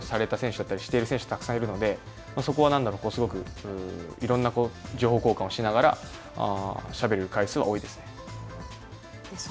ブンデスでプレーをされている選手だったりたくさんいるのでそこはすごくいろんな情報交換をしながら、しゃべる回数は多いです。